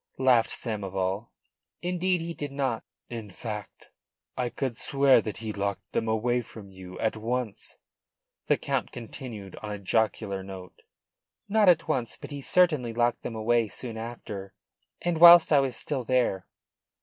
laughed Samoval. "Indeed, he did not." "In fact, I could swear that he locked them away from you at once?" the Count continued on a jocular note. "Not at once. But he certainly locked them away soon after, and whilst I was still there."